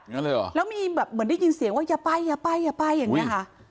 งั้นเลยเหรอแล้วมีแบบเหมือนได้ยินเสียงว่าอย่าไปอย่าไปอย่าไปอย่างเงี้ยค่ะ